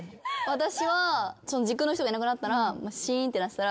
私は軸の人がいなくなったらシーンってなってたら。